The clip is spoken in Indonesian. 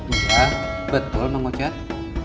iya betul mang ocat